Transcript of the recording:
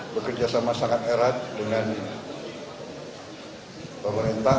bekerja sama sangat erat dengan pemerintah